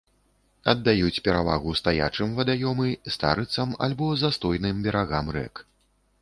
Аддаюць перавагу стаячым вадаёмы, старыцам, альбо застойным берагам рэк.